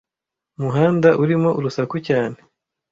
muhanda urimo urusaku cyane.